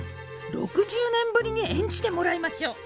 ６０年ぶりに演じてもらいましょう。